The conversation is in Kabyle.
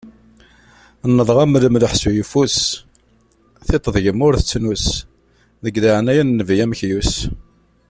Nnḍeɣ-am lemlaḥ s uyeffus, tiṭ deg-m ur tettnus, deg laɛnaya n nnbi amekyus.